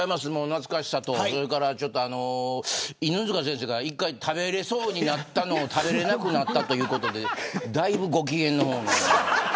懐かしさと、犬塚先生が１回、食べられそうになったのを食べられなくなったということでだいぶご機嫌の方が。